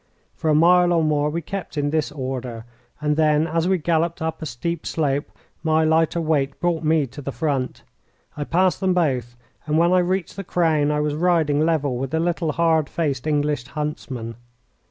For a mile or more we kept in this order, and then, as we galloped up a steep slope, my lighter weight brought me to the front. I passed them both, and when I reached the crown I was riding level with the little, hard faced English huntsman.